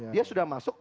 dia sudah masuk